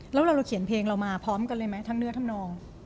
แล้วเราเขียนเพลงเรามาพร้อมกันเลยไหมทั้งเนื้อทำนอง